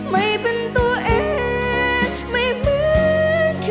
ไม่เป็นตัวเองไม่เพิ่งเคย